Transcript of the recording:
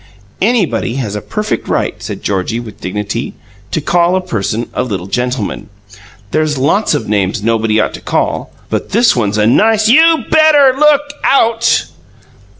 "Anybody has a perfect right," said Georgie, with, dignity, "to call a person a little gentleman. There's lots of names nobody ought to call, but this one's a NICE " "You better look out!"